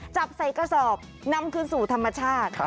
จับใส่กระสอบนำคืนสู่ธรรมชาติ